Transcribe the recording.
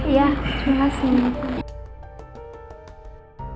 iya terima kasih